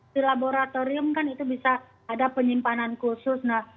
di laboratorium kan itu bisa ada penyimpanan khusus